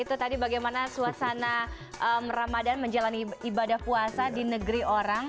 itu tadi bagaimana suasana ramadan menjalani ibadah puasa di negeri orang